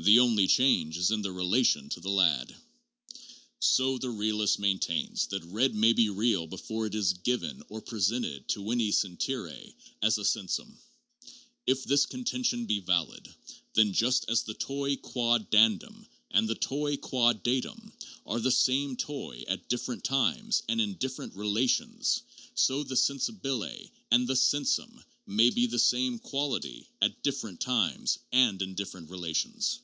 The only change is in its relation to the lad. So the realist maintains that red may be real before it is 'given' or 'presented' to any sentire as a sensum. If this contention be valid, then just as the toy qua dandum and the toy qua datum are the same toy at different times and in different relations, so the sensibile and the sensum may be the same quality at different times and in different relations.